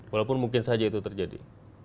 walaupun mungkin saja itu terjadi